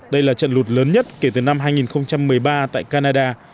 đây là trận lụt lớn nhất kể từ năm hai nghìn một mươi ba tại canada